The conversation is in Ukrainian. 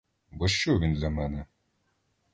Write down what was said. Бо що він для мене?